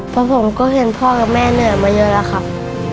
เพราะผมก็เห็นพ่อกับแม่เหนื่อยมาเยอะแล้วครับ